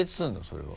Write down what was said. それは。